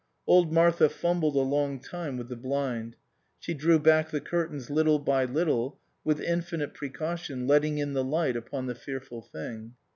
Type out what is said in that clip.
Old Martha fumbled a long time with the blind ; she drew back the curtains little by little, with infinite precaution letting in the light upon the fearful thing.